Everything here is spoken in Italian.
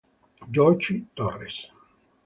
Georgie Torres